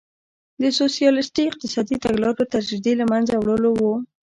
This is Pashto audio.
د سوسیالیستي اقتصادي تګلارو تدریجي له منځه وړل وو.